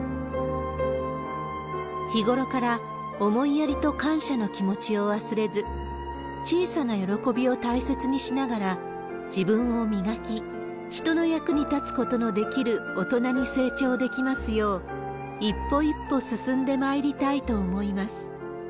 日頃から思いやりと感謝の気持ちを忘れず、小さな喜びを大切にしながら、自分を磨き、人の役に立つことのできる大人に成長できますよう、一歩一歩進んでまいりたいと思います。